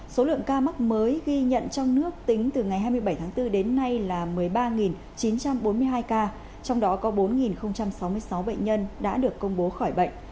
số lượng ca mắc mới ghi nhận trong nước tính từ ngày hai mươi bảy tháng bốn đến nay là một mươi ba chín trăm bốn mươi hai ca trong đó có bốn sáu mươi sáu bệnh nhân đã được công bố khỏi bệnh